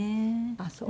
あっそう。